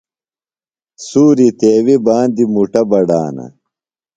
سُوری تیویۡ باندیۡ مُٹہ بڈانہ۔